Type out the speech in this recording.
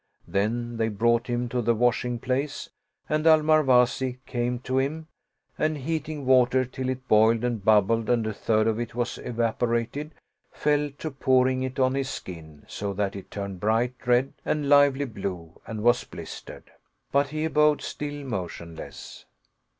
Then they brought him to the washing place and Al Marwazi came to him ; and, heating water till it boiled and bubbled and a third of it was evaporated, fell to pouring it on his skin, so that it turned bright red and lively blue and was blistered ; but he abode still motionless.